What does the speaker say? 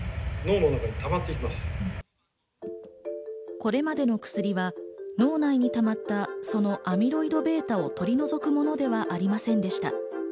これまでの薬は脳内に溜まったそのアミロイドβを取り除くものではありませんでした。